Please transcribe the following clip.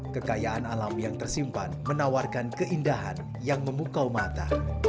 kekayaan alam yang tersimpan menawarkan keindahan yang memukau mata